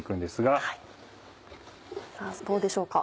どうでしょうか？